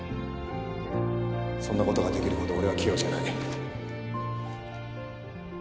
そんなことができるほど俺は器用じゃない